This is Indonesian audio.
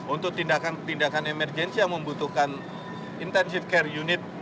untuk tindakan tindakan emergensi yang membutuhkan intensive care unit